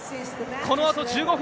このあと１５分